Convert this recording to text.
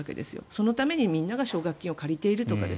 そのために、みんなが奨学金を借りているとか。